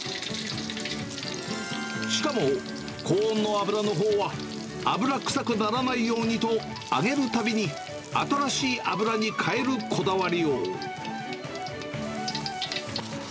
しかも高温の油のほうは、油臭くならないようにと、揚げるたびに新しい油に換えるこだわり用。